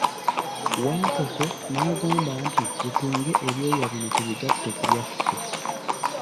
Wankoko n'agamba nti, tutunge ebyoya bino tubigatte ku byaffe.